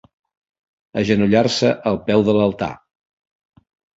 Agenollar-se al peu de l'altar.